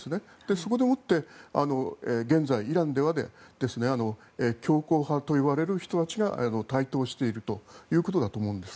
そこでもって現在、イランでは強硬派といわれる人たちが台頭しているということだと思うんです。